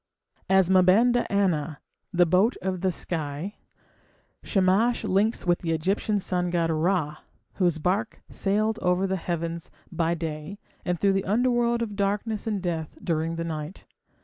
As Ma banda anna, "the boat of the sky", Shamash links with the Egyptian sun god Ra, whose barque sailed over the heavens by day and through the underworld of darkness and death during the night.